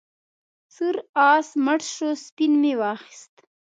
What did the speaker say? سور آس مړ شو سپین مې واخیست.